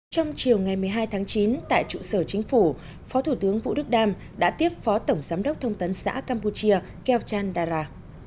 trong chiều ngày một mươi hai tháng chín tại trụ sở chính phủ phó thủ tướng vũ đức đam đã tiếp phó tổng giám đốc thông tấn xã campuchia keo chan dara